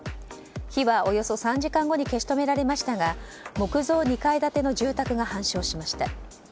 火はおよそ３時間後に消し止められましたが木造２階建ての住宅が半焼しました。